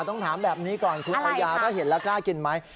ต้องถามแบบนี้ก่อนคุณอายาถ้าเห็นแล้วกล้ากินไหม